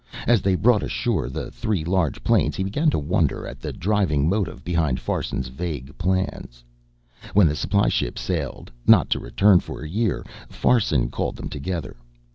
As they brought ashore the three large planes, he began to wonder at the driving motive behind Farson's vague plans. When the supply ship sailed, not to return for a year, Farson called them together.